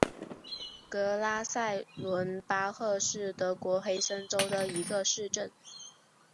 格拉塞伦巴赫是德国黑森州的一个市镇。